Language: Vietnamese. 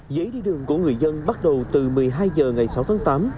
giấy đi đường của người dân bắt đầu từ một mươi hai h ngày sáu tháng tám